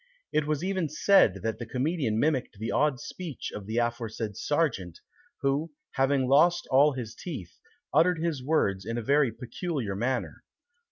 It was even said that the comedian mimicked the odd speech of the aforesaid Serjeant, who, having lost all his teeth, uttered his words in a very peculiar manner.